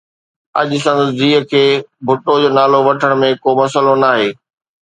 اڄ سندس ڌيءَ کي ڀٽو جو نالو وٺڻ ۾ ڪو مسئلو ناهي